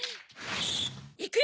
いくよ！